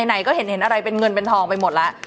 ไหนก็เห็นอะไรเป็นเงินเป็นทองไปหมดแล้ว